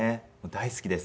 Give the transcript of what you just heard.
大好きです。